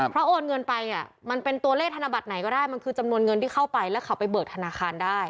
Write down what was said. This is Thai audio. เพราะโอนเงินไปมันเป็นตัวเลขธนบัตรไหนก็ได้มันคือจำนวนเงินที่เข้าไปแล้วเขาไปเบิกธนาคารได้